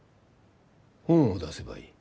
本を出せばいい。